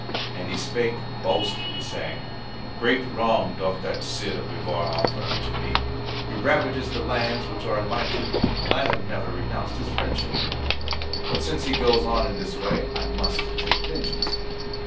And he spake boastfully saying, "Great wrong doth that Cid of Bivar offer unto me; he ravages the lands which are in my keeping, and I have never renounced his friendship; but since he goes on in this way I must take vengeance."